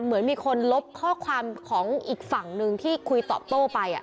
เหมือนมีคนลบข้อความของอีกฝั่งหนึ่งที่คุยตอบโต้ไป